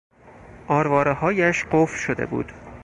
آروارههایش قفل شده بود.